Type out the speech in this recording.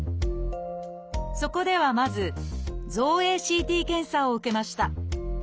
そこではまず造影ＣＴ検査を受けました。